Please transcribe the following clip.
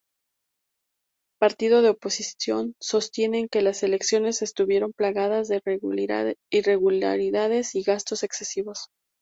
Partidos de oposición sostienen que las elecciones estuvieron plagadas de irregularidades y gastos excesivos.